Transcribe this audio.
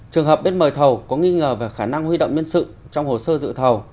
trường hợp biết mời thầu có nghi ngờ về khả năng huy động nhân sự trong hồ sơ dự thầu